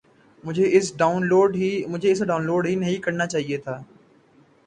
مجھے اسے download ہی نہیں کرنا چاہیے تھا